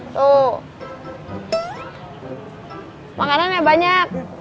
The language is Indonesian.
tuh makanannya banyak